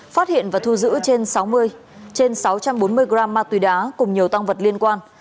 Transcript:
phát hiện và thu giữ trên sáu mươi trên sáu trăm bốn mươi g ma túy đá cùng nhiều tăng vật liên quan